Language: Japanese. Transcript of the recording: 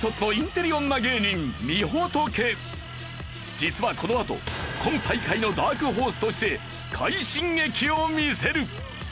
実はこのあと今大会のダークホースとして快進撃を見せる！